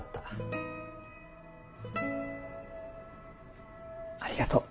うんありがとう。